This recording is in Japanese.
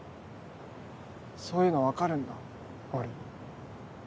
そういうの分かるんだ俺。